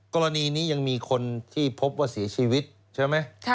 กรณีนี้ยังมีคนที่พบว่าเสียชีวิตใช่ไหม